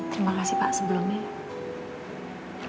terima kasih pak sebelumnya